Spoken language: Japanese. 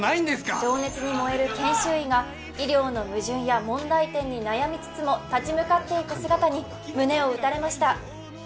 情熱に燃える研修医が医療の矛盾や問題点に悩みつつも立ち向かっていく姿に胸を打たれました